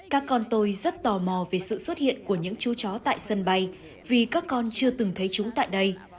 các con tôi rất tò mò về sự xuất hiện của những chú chó tại sân bay vì các con chưa từng thấy chúng tại đây